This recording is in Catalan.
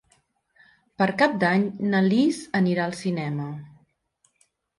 Per Cap d'Any na Lis anirà al cinema.